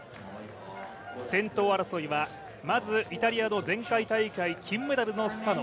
先頭争いはまずイタリアの前回大会、金メダルのスタノ。